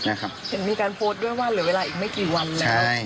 ครับนะครับเห็นมีการโพสต์ด้วยว่าเหลือเวลาอีกไม่กี่วันแล้วใช่